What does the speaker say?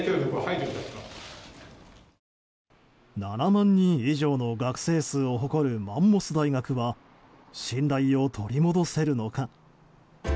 ７万人以上の学生数を誇るマンモス大学は信頼を取り戻せるのか。